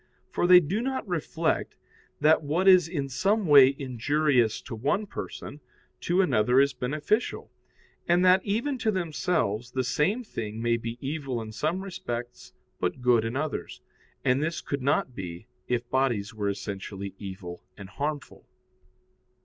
For they do not reflect that what is in some way injurious to one person, to another is beneficial, and that even to themselves the same thing may be evil in some respects, but good in others. And this could not be, if bodies were essentially evil and harmful.